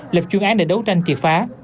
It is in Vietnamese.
lập chuyên án để đấu tranh triệt phá